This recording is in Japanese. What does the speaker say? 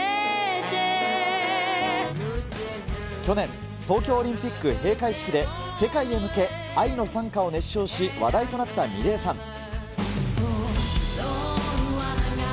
去年、東京オリンピック閉会式で、世界へ向け愛の讃歌を熱唱し、話題となったｍｉｌｅｔさん。